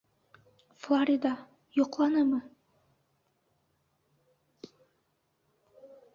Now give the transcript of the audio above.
Флорида... йоҡланымы?